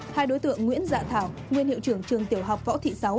hai đối tượng nguyễn dạ thảo thảo nguyên hiệu trưởng trường tiểu học võ thị sáu